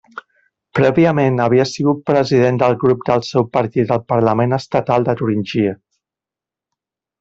Prèviament havia sigut president del grup del seu partit al Parlament Estatal de Turíngia.